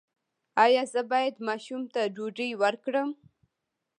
ایا زه باید ماشوم ته ډوډۍ ورکړم؟